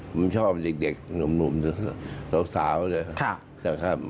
ผมชอบเด็กหนุ่มสาวเลยนะครับ